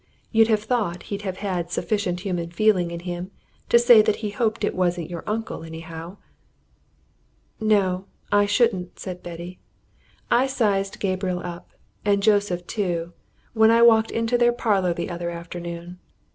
You'd have thought he'd have had sufficient human feeling in him to say that he hoped it wasn't your uncle, anyhow!" "No, I shouldn't," said Betty. "I sized Gabriel up and Joseph, too when I walked into their parlour the other afternoon.